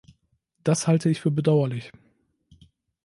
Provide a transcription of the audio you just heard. Das halte ich für bedauerlich.